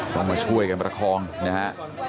ต้องมาช่วยกันประคองนะฮะ